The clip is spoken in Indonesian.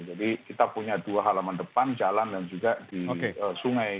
jadi kita punya dua halaman depan jalan dan juga di sungai